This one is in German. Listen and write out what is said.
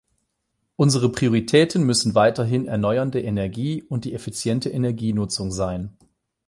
Unsere Prioritäten müssen weiterhin erneuernde Energie und die effiziente Energienutzung sein.